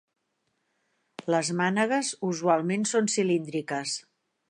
Les mànegues usualment són cilíndriques.